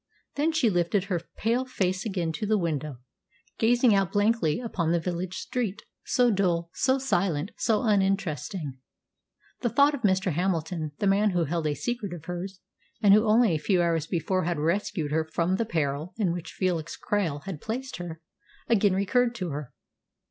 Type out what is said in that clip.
Then she lifted her pale face again to the window, gazing out blankly upon the village street, so dull, so silent, so uninteresting. The thought of Mr. Hamilton the man who held a secret of hers, and who only a few hours before had rescued her from the peril in which Felix Krail had placed her again recurred to her.